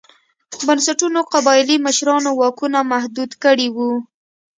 بنسټونو قبایلي مشرانو واکونه محدود کړي وو.